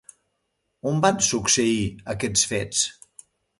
On van succeir aquests fets?